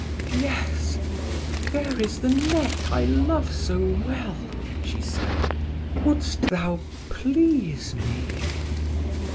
"Yes, there is the neck I love so well!" she said. "Wouldst thou please me?"